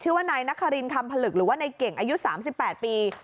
ชื่อว่านายนครินคำผลึกหรือว่าในเก่งอายุ๓๘ปี